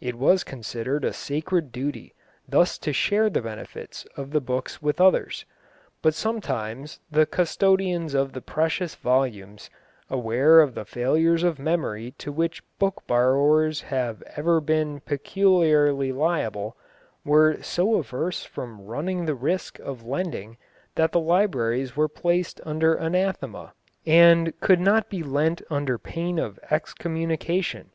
It was considered a sacred duty thus to share the benefits of the books with others; but sometimes the custodians of the precious volumes, aware of the failures of memory to which book borrowers have ever been peculiarly liable, were so averse from running the risk of lending that the libraries were placed under anathema, and could not be lent under pain of excommunication.